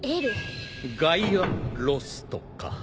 ガイアロストか。